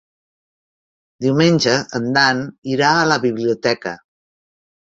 Diumenge en Dan irà a la biblioteca.